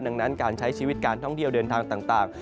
ดังนั้นการใช้ชีวิตการท่องเที่ยวเดินทางต่าง